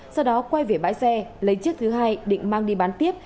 sau đó quay về bãi xe lấy chiếc thứ hai định mang đi bán tiếp